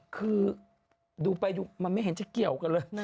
คือดูไปดูมันไม่เห็นจะเกี่ยวกันเลยนะ